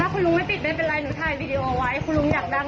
คุณลุงไม่ติดไม่เป็นไรหนูถ่ายวีดีโอไว้คุณลุงอยากดัง